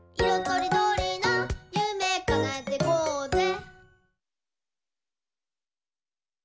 とりどりなゆめかなえてこうぜ！」